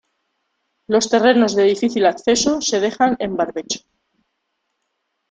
Los terrenos de difícil acceso se dejan en barbecho.